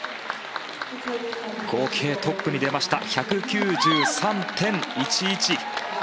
合計トップに出ました。１９３．１１。